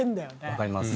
わかります。